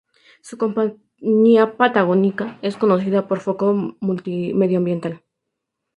Su compañía, Patagonia, es conocida por su foco medioambiental.